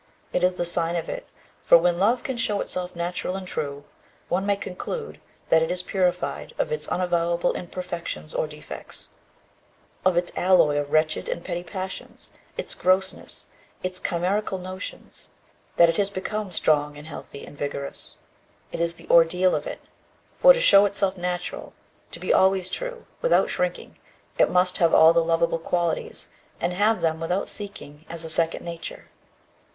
It is the sign of it, for, when love can show itself natural and true, one may conclude that it is purified of its unavowable imperfections or defects, of its alloy of wretched and petty passions, its grossness, its chimerical notions, that it has become strong and healthy and vigorous. It is the ordeal of it, for to show itself natural, to be always true, without shrinking, it must have all the lovable qualities, and have them without seeking, as a second nature.